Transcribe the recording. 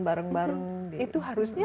bareng bareng itu harusnya